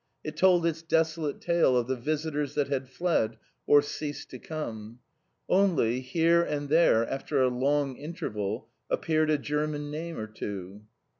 It told its desolate tale of the visitors that had fled, or ceased to come. Only, here and there after a long interval, appeared a German name or two.